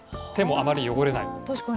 手もあまり汚れない。